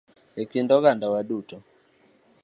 E kind oganda wa duto